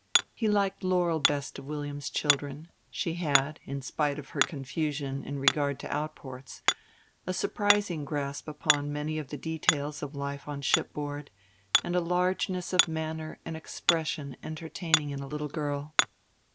He liked Laurel best of William's children; she had, in spite of her confusion in regard to outports, a surprising grasp upon many of the details of life on shipboard, and a largeness of manner and expression entertaining in a little girl.